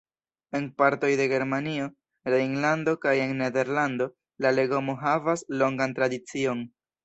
En partoj de Germanio, Rejnlando kaj en Nederlando la legomo havas longan tradicion.